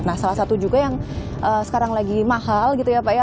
nah salah satu juga yang sekarang lagi mahal gitu ya pak ya